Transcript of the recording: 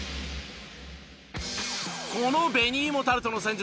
この紅芋タルトの戦術